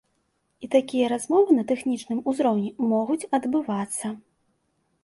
І такія размовы на тэхнічным узроўні могуць адбывацца.